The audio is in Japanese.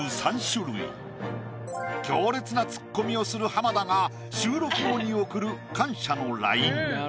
強烈なツッコミをする浜田が収録後に送る感謝のＬＩＮＥ。